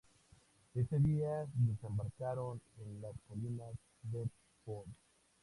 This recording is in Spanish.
Ese día desembarcaron en las colinas Vestfold.